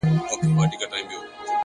• نه مو زخم ته مرهم دي پیدا کړي ,